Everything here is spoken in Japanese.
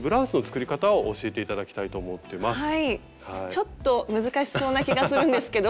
ちょっと難しそうな気がするんですけど。